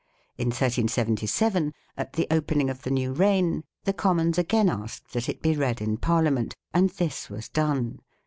4 In 1377, at the opening of the new reign, the Commons again asked that it be read in Parliament ; and this was done.